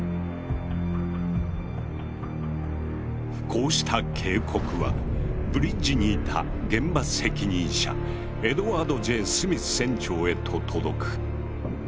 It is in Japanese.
こうした警告はブリッジにいた現場責任者エドワード・Ｊ・スミス船長へと届く。